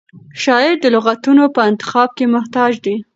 شاعر د لغتونو په انتخاب کې محتاط دی.